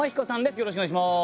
よろしくお願いします。